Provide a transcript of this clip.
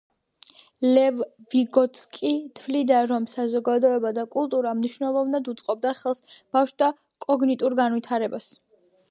ლევ ვიგოტსკი თვლიდა, რომ საზოგადოება და კულტურა მნიშვნელოვნად უწყობს ხელს ბავშვთა კოგნიტურ განვითარებას.